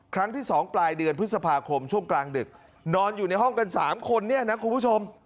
ครั้งที่๒ปลายเดือนพฤษภาคมช่วงกลางดึกนอนอยู่ในห้องกัน๓คนเนี่ยนะคุณผู้ชม